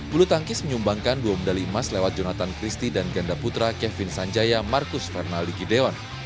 bulu tangkis menyumbangkan dua medali emas lewat jonathan christie dan ganda putra kevin sanjaya marcus fernaldi gideon